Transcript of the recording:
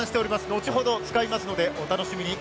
後ほど使いますのでお楽しみに。